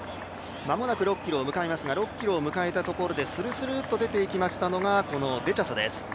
まもなく６ｋｍを迎えますが６ｋｍを迎えたところでするするっと出てきたのがこのデチャサです。